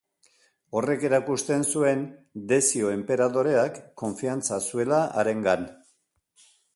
Horrek erakusten zuen Dezio enperadoreak konfiantza zuela harengan.